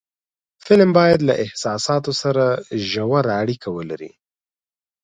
فلم باید له احساساتو سره ژور اړیکه ولري